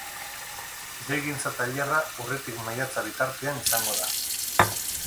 Gidoigintza tailerra urritik maiatza bitartean izango da.